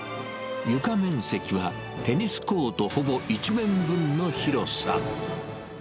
床面積はテニスコートほぼ１面分の広さ。